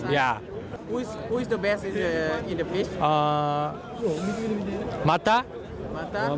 ใครเป็นคนเช่นเดียว